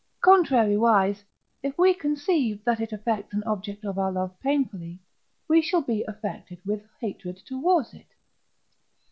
Contrariwise, if we conceive that it affects an object of our love painfully, we shall be affected with hatred towards it.